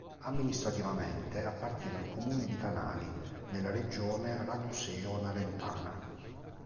Amministrativamente, appartiene al comune di Canali, nella regione raguseo-narentana.